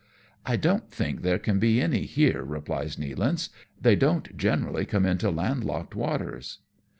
" I don't think there can be any here," replies Nealance ;" they don't generally come into land locked waters."